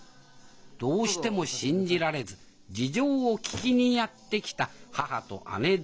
どうしても信じられず事情を聞きにやって来た母と姉でした